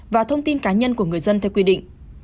và thông tin cá nhân của người dân theo quy định